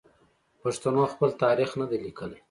پښتنو خپل تاریخ نه دی لیکلی.